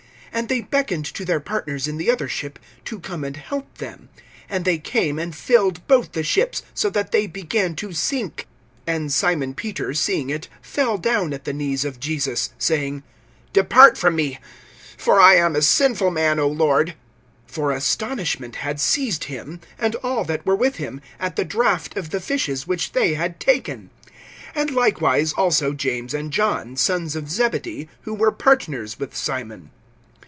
(7)And they beckoned to their partners in the other ship, to come and help them. And they came, and filled both the ships, so that they began to sink. (8)And Simon Peter, seeing it, fell down at the knees of Jesus, saying: Depart from me; for I am a sinful man, O Lord. (9)For astonishment had seized him, and all that were with him, at the draught of the fishes which they had taken; (10)and likewise also James and John, sons of Zebedee, who were partners with Simon.